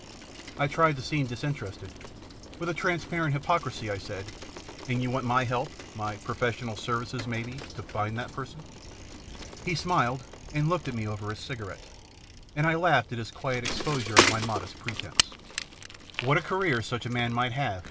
I tried to seem disinterested. With a transparent hypocrisy, I said, " And you want my help, my pro fessional services, maybe, to find that person." He smiled, and looked at me over his cigarette, and I laughed at his quiet exposure of my modest pretence. " What a career such a man might have